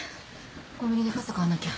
コンビニで傘買わなきゃ。